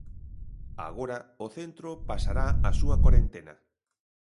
Agora o centro pasará a súa corentena.